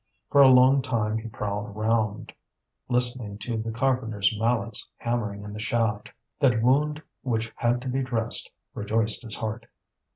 For a long time he prowled round, listening to the carpenters' mallets hammering in the shaft. That wound which had to be dressed rejoiced his heart.